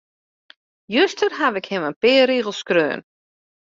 Juster haw ik him in pear rigels skreaun.